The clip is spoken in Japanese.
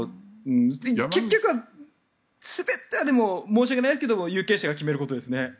別に結局は全ては申し訳ないですけども有権者が決めることですね。